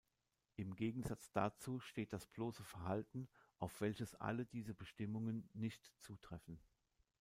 Im Gegensatz dazu steht das bloße Verhalten, auf welches alle diese Bestimmungen nicht zutreffen.